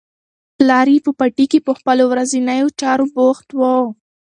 پلار په پټي کې په خپلو ورځنیو چارو بوخت و.